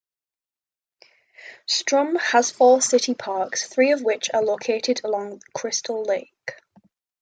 Strum has four city parks, three of which are located along Crystal Lake.